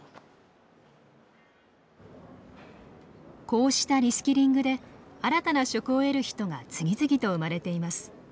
こうしたリスキリングで新たな職を得る人が次々と生まれています。